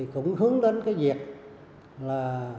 cũng hướng đến cái việc là